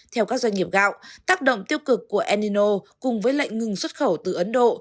theo các doanh nghiệp gạo tác động tiêu cực của enino cùng với lệnh ngừng xuất khẩu từ ấn độ